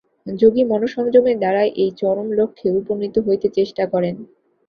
যোগী মনঃসংযমের দ্বারা এই চরম লক্ষ্যে উপনীত হইতে চেষ্টা করেন।